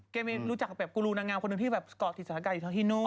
แกรู้จากแบบกรูนางงามคนหนึ่งที่แบบสกติศรษฎาการณ์อยู่ทั้งที่นู่น